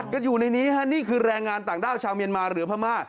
กันอยู่ในนี้ฮะนี่คือแรงงานต่างด้าวชาวเมียนมาหรือพม่า